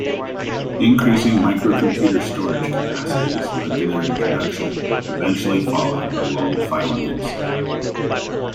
Increasing microcomputer storage capacities led to their introduction, eventually followed by long filenames.